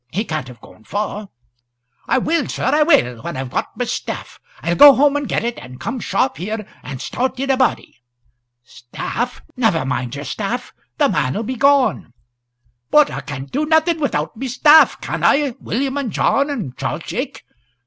He can't have gone far." "I will, sir, I will when I've got my staff. I'll home and get it, and come sharp here, and start in a body." "Staff! never mind your staff the man'll be gone!" "But I can't do nothing without my staff can I, William, and John, and Charles Jake?